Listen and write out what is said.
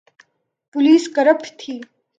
Police corrupt تھی۔